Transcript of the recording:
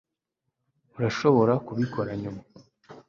urashobora kubikora nyuma